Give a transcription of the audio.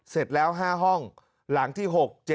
เสร็จแล้ว๕ห้องหลังที่๖๗